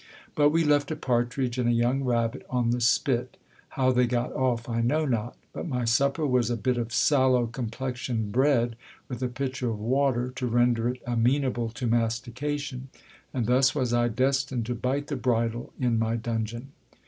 But we left a partridge and a young rabbit on the spit ! How they got off I know not ; but my supper was a bit of sallow complexioned bread, with a pitcher of water to render it amenable to mastication ! and thus was I destined to bite the bridle in my dungeon.